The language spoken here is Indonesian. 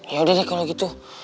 ya udah deh kalau gitu